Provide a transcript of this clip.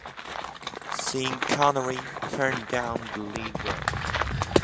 Sean Connery turned down the lead role.